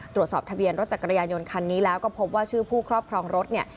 ตรวจสอบทะเบียนรถจักรยานยนต์คันนี้แล้วก็พบว่าชื่อผู้ครอบครองรถเนี่ย